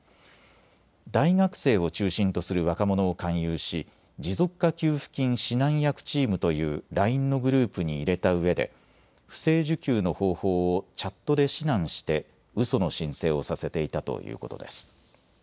大学生を中心とする若者を勧誘し持続化給付金指南役チームというＬＩＮＥのグループに入れたうえで不正受給の方法をチャットで指南して、うその申請をさせていたということです。